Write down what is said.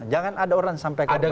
jangan ada orang yang sampai korbankan